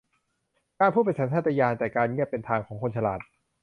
การพูดเป็นสัญชาตญาณ แต่การเงียบเป็นทางของคนฉลาด